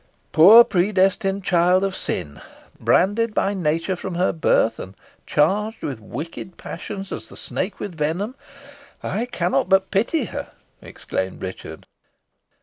"Poor, predestined child of sin, branded by nature from her birth, and charged with wicked passions, as the snake with venom, I cannot but pity her!" exclaimed Richard.